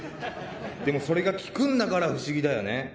・でもそれが効くんだから不思議だよね。